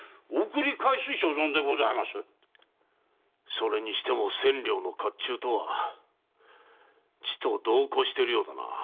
それにしても千両の甲冑とはちと度を越しているな。